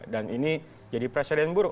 dan ini jadi presiden buruk